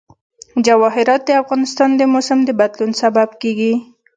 جواهرات د افغانستان د موسم د بدلون سبب کېږي.